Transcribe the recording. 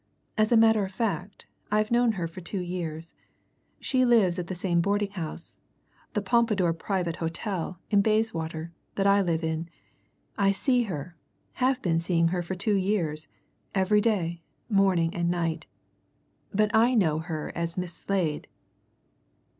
As a matter of fact, I've known her for two years. She lives at the same boarding house, the Pompadour Private Hotel, in Bayswater, that I live in. I see her have been seeing her for two years every day, morning and night. But I know her as Miss Slade."